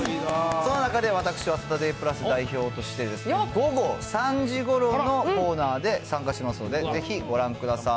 その中で私はサタデープラス代表として、午後３時ごろのコーナーで参加しますので、ぜひご覧ください。